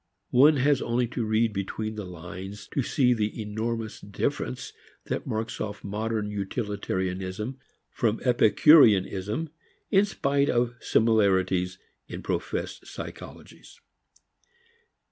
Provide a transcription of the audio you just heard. One has only to read between the lines to see the enormous difference that marks off modern utilitarianism from epicureanism, in spite of similarities in professed psychologies.